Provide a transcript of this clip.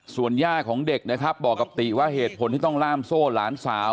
ส่วนย่าของเด็กนะครับบอกกับติว่าเหตุผลที่ต้องล่ามโซ่หลานสาว